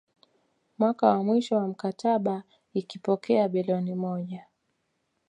Mwaka wa mwisho wa mkataba ikipokea bilioni moja